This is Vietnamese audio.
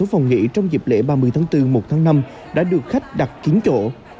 sáu phòng nghỉ trong dịp lễ ba mươi tháng bốn một tháng năm đã được khách đặt kín chỗ